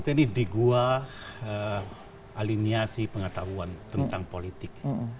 jadi di gua aliniasi pengetahuan tentang politik